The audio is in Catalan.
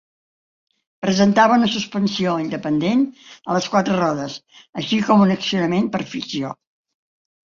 Presentava una suspensió independent a les quatre rodes, així com un accionament per fricció.